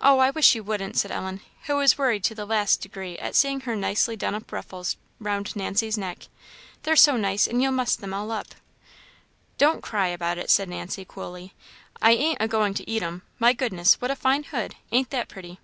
"Oh, I wish you wouldn't," said Ellen, who was worried to the last degree at seeing her nicely done up ruffles round Nancy's neck; "they're so nice, and you'll muss them all up." "Don't cry about it," said Nancy, coolly, "I ain't agoing to eat 'em. My goodness! what a fine hood! ain't that pretty?"